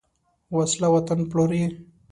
وسله وطن پلوروي